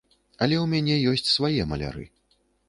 Але ў мяне ёсць свае маляры.